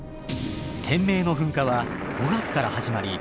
天明の噴火は５月から始まり